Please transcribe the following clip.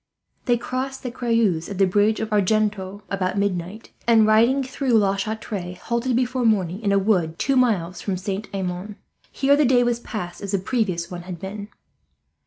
They crossed the Creuse at the bridge of Argenton about midnight and, riding through La Chatre, halted before morning in a wood two miles from Saint Amand. Here the day was passed as the previous one had been.